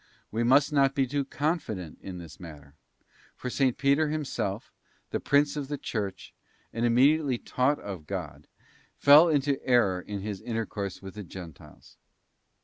We must not be too confident in this matter ; for S. Peter himself, the Prince of the Church, and immediately taught of God, fell into error in his intercourse with the Gentiles.